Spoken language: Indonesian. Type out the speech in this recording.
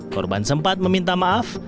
korban sempat meminta maaf